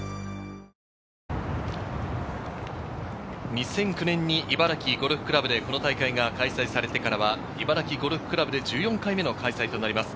２００９年に茨城ゴルフ倶楽部でこの大会が開催されてからは、茨城ゴルフ倶楽部で１４回目の開催となります